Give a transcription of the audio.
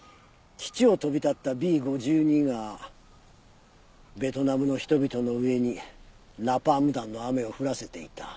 基地を飛び立ったＢ−５２がベトナムの人々の上にナパーム弾の雨を降らせていた。